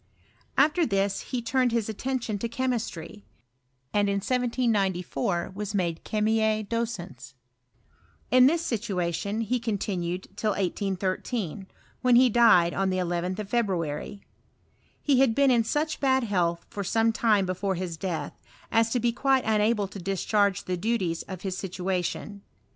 After this he turned his attention to chemistry; and in 1794 was made chemi/B docens. In this situation he continued till 181^, when he died on the 11th of February. He had been ia such bad health for some time before his death, as to be quite unable to discharge the duties of his situation.